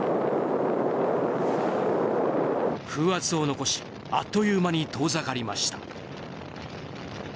風圧を残しあっという間に遠ざかりました。